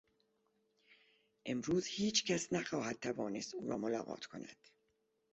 امروز هیچ کس نخواهد توانست او را ملاقات کند.